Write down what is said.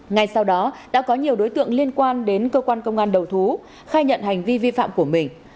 ngay sau đó đã có nhiều đối tượng liên quan đến cơ quan công an đầu thú khai nhận hành vi vi phạm của mình